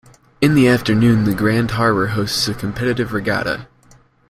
In the afternoon the Grand Harbour hosts a competitive regatta.